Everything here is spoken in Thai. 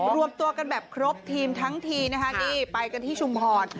รวมตัวกันแบบครบทีมทั้งทีนะคะนี่ไปกันที่ชุมพร